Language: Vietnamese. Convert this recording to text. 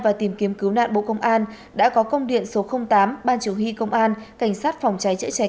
và tìm kiếm cứu nạn bộ công an đã có công điện số tám ban chủ huy công an cảnh sát phòng cháy chữa cháy